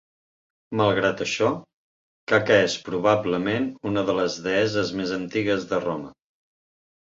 Malgrat això, Caca és probablement una de les deesses més antigues de Roma.